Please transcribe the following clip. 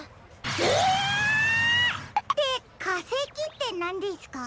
ええっ！ってかせきってなんですか？